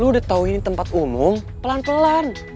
eh lu udah tau ini tempat umum pelan pelan